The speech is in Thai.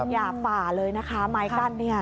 อย่าฝ่าเลยนะคะม้ายกั้น